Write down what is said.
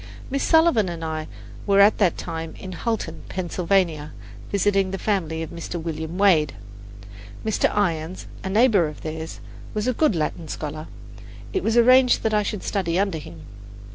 Miss Sullivan and I were at that time in Hulton, Pennsylvania, visiting the family of Mr. William Wade. Mr. Irons, a neighbour of theirs, was a good Latin scholar; it was arranged that I should study under him.